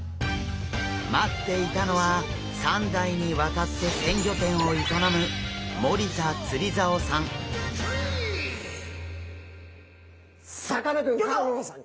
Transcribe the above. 待っていたのは３代にわたって鮮魚店を営むさかなクン香音さん